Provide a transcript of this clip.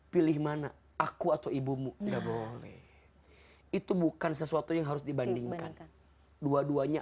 pilih mana aku atau ibumu enggak boleh itu bukan sesuatu yang harus dibandingkan dua duanya